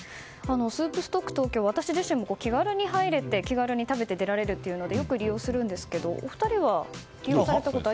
スープストックトーキョーは私自身も気軽に入れて気軽に食べて出られるのでよく利用するんですけどお二人は利用されたことは？